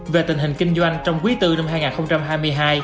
về tình hình kinh doanh trong quý bốn năm hai nghìn hai mươi hai